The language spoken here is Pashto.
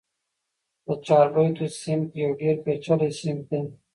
د چاربیتو صنف یو ډېر پېچلی صنف دئ.